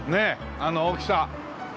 あの大きさ。